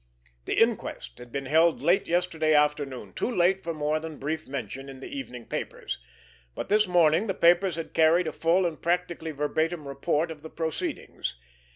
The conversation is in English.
The inquest had been held late yesterday afternoon, too late for more than brief mention in the evening papers, but this morning the papers had carried a full and practically verbatim report of the proceedings.